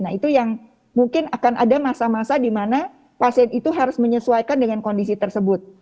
nah itu yang mungkin akan ada masa masa di mana pasien itu harus menyesuaikan dengan kondisi tersebut